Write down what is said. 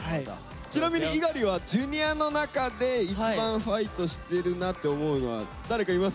ちなみに猪狩はＪｒ．の中で一番ファイトしてるなって思うのは誰かいますか？